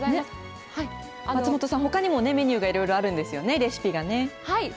松本さん、ほかにもメニューがいろいろあるんですよね、レシピがね。